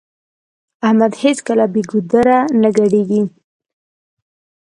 احمد هيڅکله بې ګودره نه ګډېږي.